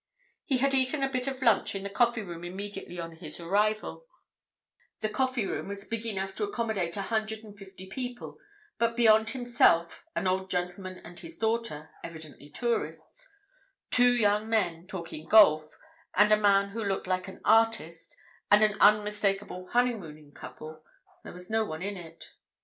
He had eaten a bit of lunch in the coffee room immediately on his arrival; the coffee room was big enough to accommodate a hundred and fifty people, but beyond himself, an old gentleman and his daughter, evidently tourists, two young men talking golf, a man who looked like an artist, and an unmistakable honeymooning couple, there was no one in it.